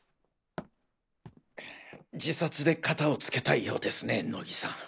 自殺で片を付けたいようですね乃木さん。